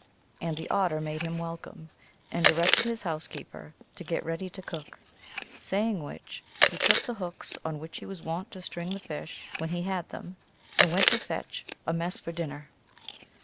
And the Otter made him welcome, and directed his housekeeper to get ready to cook; saying which, he took the hooks on which he was wont to string fish when he had them, and went to fetch a mess for din ner.